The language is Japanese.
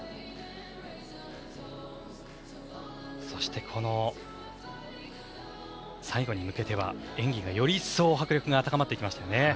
そして、この最後に向けては演技が、より一層迫力が高まっていきましたよね。